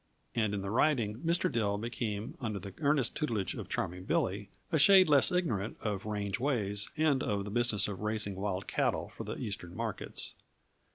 And in the riding, Mr. Dill became under the earnest tutelage of Charming Billy a shade less ignorant of range ways and of the business of "raising wild cattle for the Eastern markets."